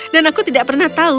dan aku tidak pernah tahu